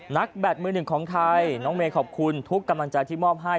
แบตมือหนึ่งของไทยน้องเมย์ขอบคุณทุกกำลังใจที่มอบให้